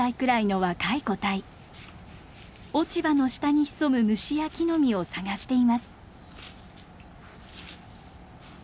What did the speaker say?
落ち葉の下に潜む虫や木の実を探しています。